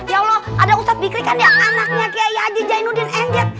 ya allah ada ustadz bikri kan dia anaknya kayak ya aji zainuddin nz